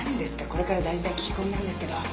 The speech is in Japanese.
これから大事な聞き込みなんですけど！